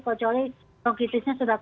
kecuali bronkitisnya sudah